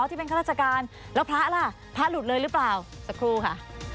ที่เป็นข้าราชการแล้วพระล่ะพระหลุดเลยหรือเปล่าสักครู่ค่ะ